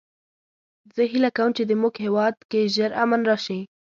زه هیله کوم چې د مونږ هیواد کې ژر امن راشي